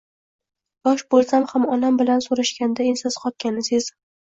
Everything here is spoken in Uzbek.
Yosh bo`lsam ham onam bilan so`rashganda ensasi qotganini sezdim